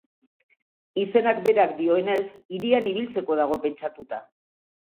Izenak berak dioenez, hirian ibiltzeko dago pentsatuta.